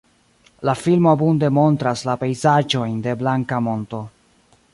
La filmo abunde montras la pejzaĝojn de Blanka Monto.